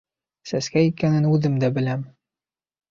— Сәскә икәнен үҙем дә беләм...